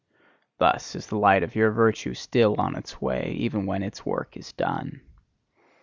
Thus is the light of your virtue still on its way, even when its work is done.